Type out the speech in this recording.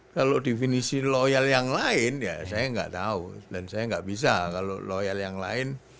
kalau definisi loyal yang lain ya saya nggak tahu dan saya nggak bisa kalau loyal yang lain